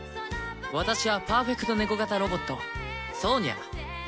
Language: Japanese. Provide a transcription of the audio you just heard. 私はパーフェクトネコ型ロボットソーニャ。